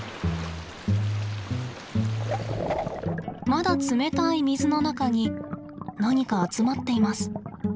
まだ冷たい水の中に何か集まっています。